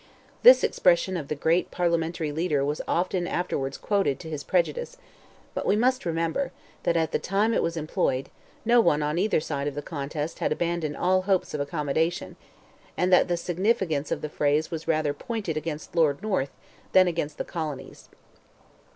This expression of the great parliamentary leader was often afterwards quoted to his prejudice, but we must remember, that, at the time it was employed, no one on either side of the contest had abandoned all hopes of accommodation, and that the significance of the phrase was rather pointed against Lord North than against the colonies.